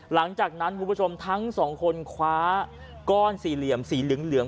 หลังจากนั้นคุณผู้ชมทั้งสองคนคว้าก้อนสี่เหลี่ยมสีเหลือง